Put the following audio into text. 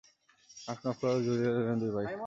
Mark Knopfler এবং Julian Lennon দুই ভাই।